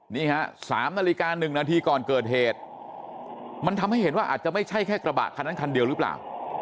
นี่ฮะ๓นาฬิกา๑นาทีก่อนเกิดเหตุมันทำให้เห็นว่าอาจจะไม่ใช่แค่กระบะคันนั้นคันเดียวหรือเปล่า